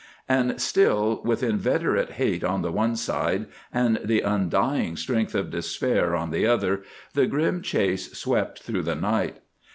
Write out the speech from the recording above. And still, with inveterate hate on the one side, and the undying strength of despair on the other, the grim chase swept through the night.